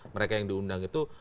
mereka yang diundang itu